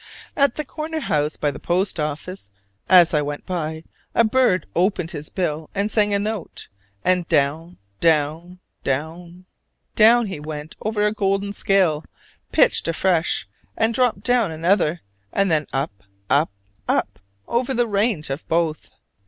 At the corner house by the post office, as I went by, a bird opened his bill and sang a note, and down, down, down, down he went over a golden scale: pitched afresh, and dropped down another; and then up, up, up, over the range of both.